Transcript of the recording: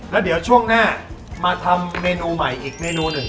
แล้วเดี๋ยวช่วงหน้ามาทำเมนูใหม่อีกเมนูหนึ่ง